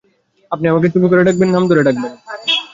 আপনি আমাকে তুমি করে ডাকবেন, এবং নাম ধরে ডাকবেন।